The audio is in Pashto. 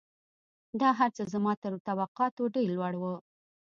دا هرڅه زما تر توقعاتو ډېر لوړ وو